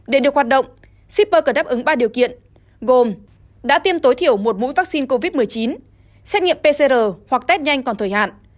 để được hoạt động shipper cần đáp ứng ba điều kiện gồm đã tiêm tối thiểu một mũi vaccine covid một mươi chín xét nghiệm pcr hoặc test nhanh còn thời hạn